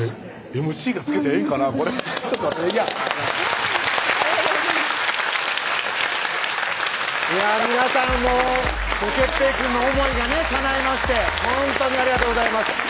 いや皆さんもう哲平くんの思いがねかないましてほんとにありがとうございます